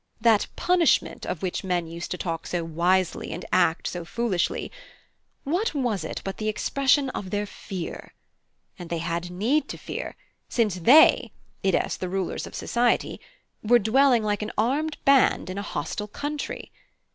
That punishment of which men used to talk so wisely and act so foolishly, what was it but the expression of their fear? And they had need to fear, since they i.e., the rulers of society were dwelling like an armed band in a hostile country.